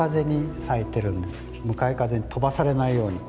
向かい風に飛ばされないように。